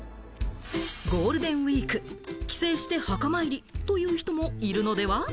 ゴールデンウイーク、帰省して墓参りという人もいるのでは？